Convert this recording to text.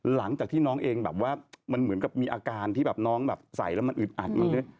หลังจากที่น้องเองแบบว่ามันเหมือนกับมีอาการที่แบบน้องแบบใส่แล้วมันอึดอัดมาด้วย